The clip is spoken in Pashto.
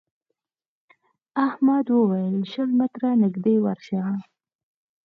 احمد وويل: شل متره نږدې ورشه.